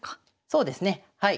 そうですねはい。